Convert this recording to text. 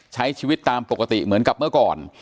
ใช้ชีวิตตามปกติเหมือนกับเมื่อก่อน